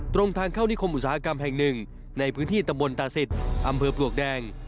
ตรงทางเข้านิคมอุตสาหกรรมแห่งหนึ่งในพื้นที่ตำบลตาศิษย์อำเภอปลวกแดง